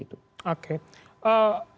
apa langkah selanjutnya